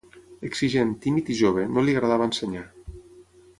Exigent, tímid i jove, no li agradava ensenyar.